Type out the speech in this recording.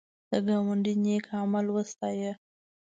د ګاونډي نېک عمل وستایه